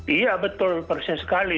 iya betul persis sekali